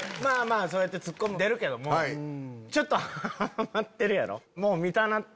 そうやってツッコんでるけどもちょっとハマってるやろ？